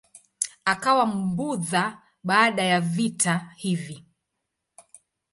Akawa Mbudha baada ya vita hivi.